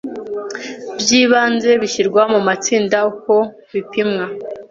by ibanze bishyirwa mu matsinda uko bipimwa